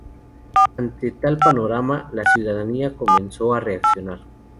Ante tal panorama la ciudadanía comenzó a reaccionar.